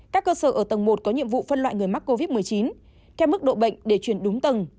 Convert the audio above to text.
các cơ sở ở tầng một có nhiệm vụ phân loại người mắc covid một mươi chín theo mức độ bệnh để chuyển đúng tầng